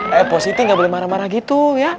eh pak siti nggak boleh marah marah gitu ya